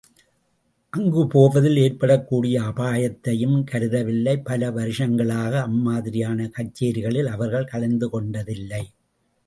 அங்கு போவதில் ஏற்படக்கூடிய ஆபாயத்தையும் கருதவில்லை.பல வருஷங்களாக அம்மாதிரியான கச்சேரிகளில் அவர்கள் கலந்து கொண்டதில்லை.